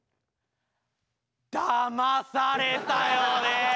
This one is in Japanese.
だまされたよね。